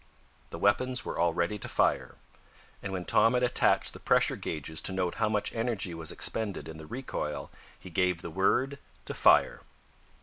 The weapons were all ready to fire, and when Tom had attached the pressure gauges to note how much energy was expended in the recoil, he gave the word to fire.